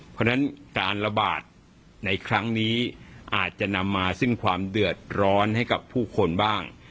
เพราะฉะนั้นการระบาดในครั้งนี้อาจจะนำมาซึ่งความเดือดร้อนให้กับผู้คนบ้าง